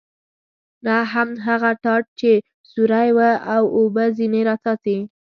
نه هم هغه ټاټ چې سوری و او اوبه ځنې را څاڅي.